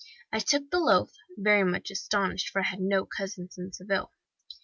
"I took the loaf, very much astonished, for I had no cousin in Seville.